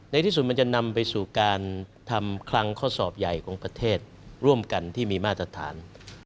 ในที่สุดมันจะนำไปสู่การทำคลังข้อสอบใหญ่ของประเทศร่วมกันที่มีมาตรฐาน